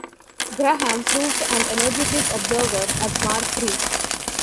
Graham proved an energetic observer at Markree.